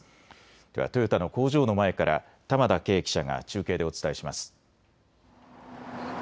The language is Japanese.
ではトヨタの工場の前から玉田佳記者が中継でお伝えします。